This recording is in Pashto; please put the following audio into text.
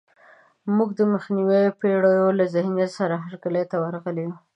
موږ د منځنیو پېړیو له ذهنیت سره هرکلي ته ورغلي یو.